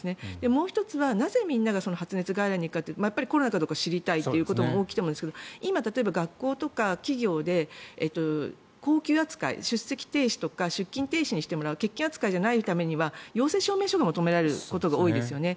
もう１つはなぜみんなが発熱外来に行くかというとコロナかどうか知りたいということも大きいと思うんですが今例えば学校とか企業で公休扱い、出席停止とか出勤停止欠勤扱いじゃないためには陽性証明書が求められることが多いですよね。